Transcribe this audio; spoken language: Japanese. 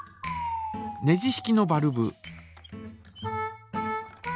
ネジ式のバルブ。